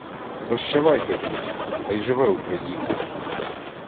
— Прощавайте, друзі! Хай живе Україна!